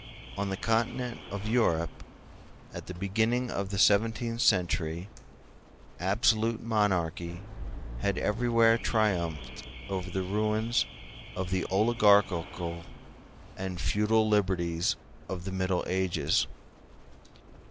On the Continent of Europe, at the beginning of the seventeenth century, absolute monarchy had everywhere triumphed over the ruins of the oligarchical and feudal liberties of the Middle Ages.